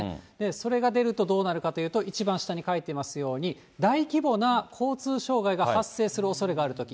それが出るとどうなるかというと、一番下に書いてますように、大規模な交通障害が発生するおそれがあるとき。